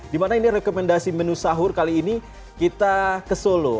dimana ini rekomendasi menu sahur kali ini kita ke solo